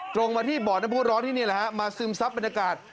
ตรงมาที่บ่อน้ำผู้ร้อนที่นี่แหละฮะมาซึมซับบรรยากาศ